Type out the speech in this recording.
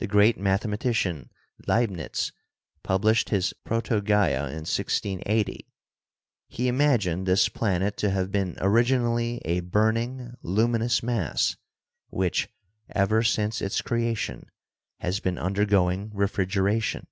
The great mathematician Leibnitz published his "Proto goea" in 1680. He imagined this planet to have been originally a burning luminous mass, which ever since its creation has been undergoing refrigeration.